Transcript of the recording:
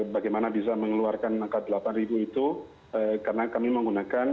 bagaimana bisa mengeluarkan angka delapan ribu itu karena kami menggunakan